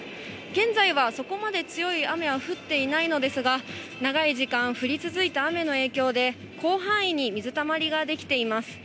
現在はそこまで強い雨は降っていないのですが、長い時間、降り続いた雨の影響で、広範囲に水たまりが出来ています。